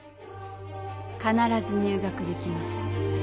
かならず入学できます。